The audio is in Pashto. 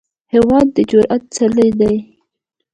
هېواد د جرئت څلی دی.